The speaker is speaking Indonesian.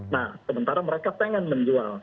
nah sementara mereka pengen menjual